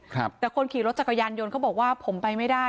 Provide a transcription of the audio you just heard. ครับแต่คนขี่รถจักรยานยนต์เขาบอกว่าผมไปไม่ได้